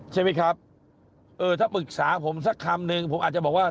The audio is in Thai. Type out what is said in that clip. ใช่ไหมครับเออถ้าปรึกษาผมสักคำหนึ่งผมอาจจะบอกว่า